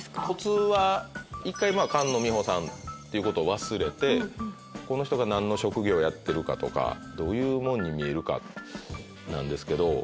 コツは１回菅野美穂さんっていうことを忘れてこの人が何の職業をやってるかとかどういうもんに見えるかなんですけど。